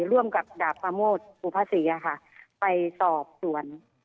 ร่วมกับดาบปราโมทสุภาษีไปสอบสวน